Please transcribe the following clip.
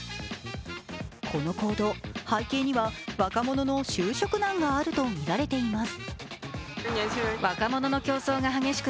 この行動、背景には若者の就職難があるとみられています。